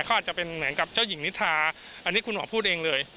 เขาอาจจะเป็นเหมือนกับเจ้าหญิงนิทาอันนี้คุณหมอพูดเองเลย